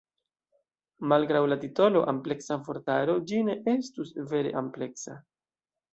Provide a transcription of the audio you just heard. Malgraŭ la titolo "ampleksa vortaro" ĝi ne estus vere ampleksa.